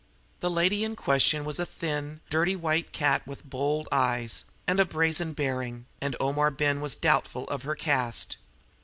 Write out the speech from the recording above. The lady in question was a thin, dirty white cat with bold eyes and a brazen bearing, and Omar Ben was doubtful of her caste.